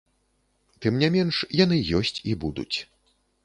Тым не менш, яны ёсць і будуць.